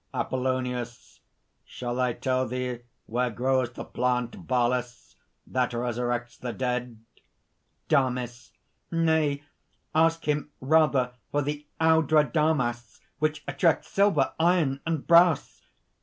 APOLLONIUS. "Shall I tell thee where grows the plant Balis, that resurrects the dead?" DAMIS "Nay; ask him rather for the audrodamas which attracts silver, iron and brass!"